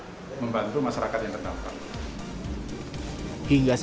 hingga saat ini kesehatan yang terdampak di kota bandung akan berjalan dengan berat